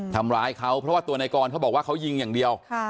ทำร้ายเขาเพราะว่าตัวนายกรเขาบอกว่าเขายิงอย่างเดียว